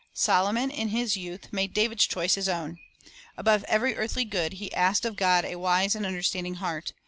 Solomon in his youth made David's choice his own. Above every earthly good he asked of God a wise and understanding heart.